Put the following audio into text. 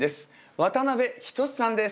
渡辺均さんです。